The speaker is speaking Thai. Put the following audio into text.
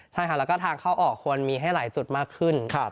ใช่ค่ะแล้วก็ทางเข้าออกควรมีให้หลายจุดมากขึ้น